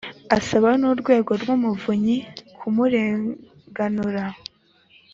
asaba n Urwego rw Umuvunyi kumurenganura